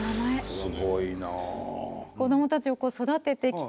すごいな。